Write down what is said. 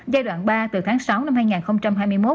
giai đoạn ba từ tháng sáu năm hai nghìn hai mươi một